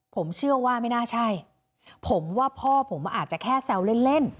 ผมเชื่อว่าไม่น่าใช่ผมว่าพ่อผมอาจจะแค่แซวเล่น